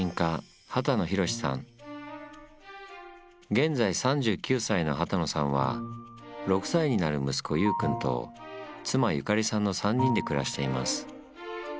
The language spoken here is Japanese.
現在３９歳の幡野さんは６歳になる息子優君と妻由香里さんの３人で暮らしています。